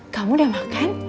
kamu udah makan